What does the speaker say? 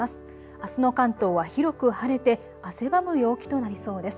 あすの関東は広く晴れて汗ばむ陽気となりそうです。